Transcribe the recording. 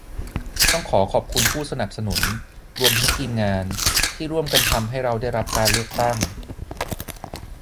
ต้องขอขอบคุณผู้สนับสนุน รวมทั้งทีมงาน ที่ร่วมกันทำให้เราได้รับการเลือกตั้ง